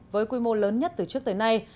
với quy mô lớn nhất từ trước tới nay